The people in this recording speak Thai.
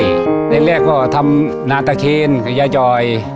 แรกก็ทำนาตะเคนกับยายจอย